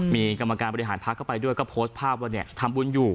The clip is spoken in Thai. มีกรรมการบริหารพักเข้าไปด้วยก็โพสต์ภาพว่าทำบุญอยู่